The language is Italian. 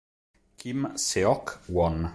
Kim Seok-won